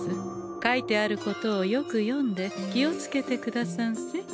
書いてあることをよく読んで気を付けてくださんせ。